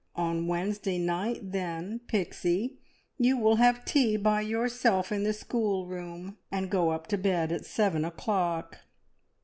On Wednesday night, then, Pixie, you will have tea by yourself in the schoolroom, and go up to bed at seven o'clock."